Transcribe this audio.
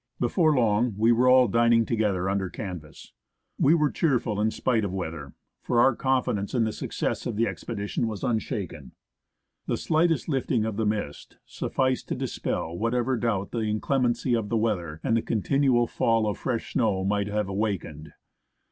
Before long we were all dining together under canvas. We were cheerful in spite of weather, for our confidence in the success of the' expedition was unshaken. The slightest lifting of the mist sufficed to dispel whatever doubt the inclemency of the weather and the continual fall of fresh snow might have awakened.